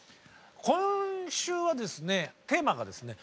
今週はですねテーマがですね